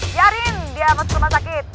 biarin dia masuk rumah sakit